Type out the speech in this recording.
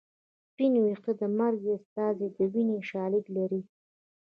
سپین ویښته د مرګ استازی دی دیني شالید لري